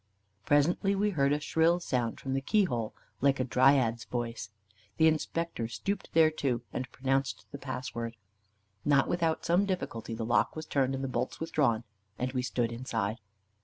Presently we heard a shrill sound from the keyhole, like a dryad's voice. The Inspector stooped thereto, and pronounced the password. Not without some difficulty the lock was turned and the bolts withdrawn, and we stood inside.